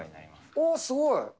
おー、すごい。